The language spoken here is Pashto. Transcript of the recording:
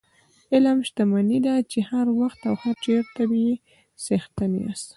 علم شتمني ده چې هر وخت او هر چېرته یې څښتن یاست.